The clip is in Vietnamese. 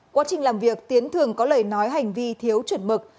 quá trình làm việc tiến thường có lời nói hành vi thiếu chuẩn mực